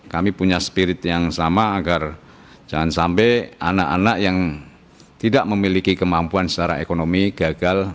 kami punya spirit yang sama agar jangan sampai anak anak yang tidak memiliki kemampuan secara ekonomi gagal